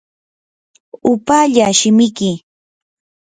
upallaa shimiki.